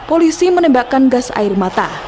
polisi menembakkan gas air mata